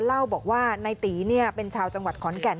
เล่าบอกว่านายตีเป็นชาวจังหวัดขอนแก่น